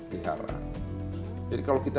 pihara jadi kalau kita